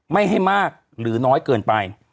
ไม่ให้มากหรือน้อยเกินไป